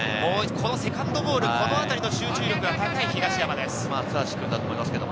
セカンドボール、このあたりの集中力が高い、東山です。